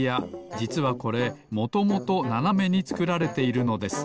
じつはこれもともとななめにつくられているのです。